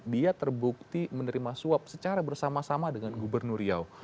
dia terbukti menerima suap secara bersama sama dengan gubernur riau